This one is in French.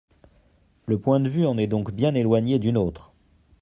Le point de vue en est donc bien éloigné du nôtre.